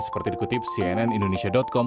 seperti dikutip cnnindonesia com